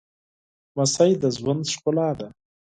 لمسی د ژوند ښکلا ده